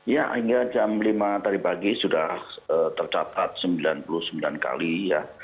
ya hingga jam lima tadi pagi sudah tercatat sembilan puluh sembilan kali ya